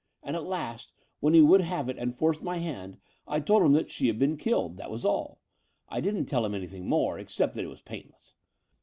And at last, when he would have it and forced my hand, I told him she had been killed — ^that was all. I didn't teU him anything more, except that it was painless.